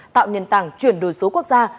tạo nền tảng chuyển đổi số quốc gia